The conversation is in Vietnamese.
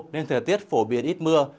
nên thời tiết phổ biến ít mưa